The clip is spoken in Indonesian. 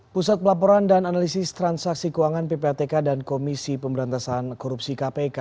pusat pelaporan dan analisis transaksi keuangan ppatk dan komisi pemberantasan korupsi kpk